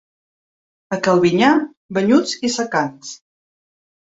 A Calbinyà, banyuts i secants.